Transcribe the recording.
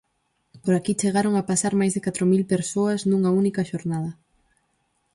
Por aquí chegaron a pasar máis de catro mil persoas nunha única xornada.